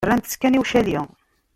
Rrant-tt kan i ucali.